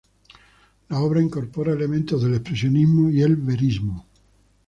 La obra incorpora elementos del expresionismo y el verismo.